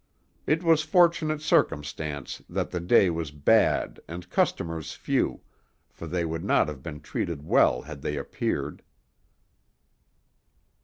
It was a fortunate circumstance that the day was bad and customers few, for they would not have been treated well had they appeared.